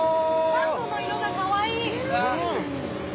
さんごの色がかわいい。